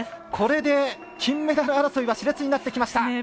これで、金メダル争いはしれつになってきました。